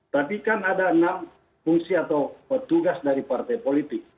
tapi kan ada enam fungsi atau petugas dari partai politik